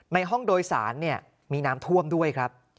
ในห้องโดยสารเนี่ยมีน้ำท่วมด้วยครับ